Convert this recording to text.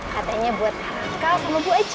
katanya buat raka sama bu ajay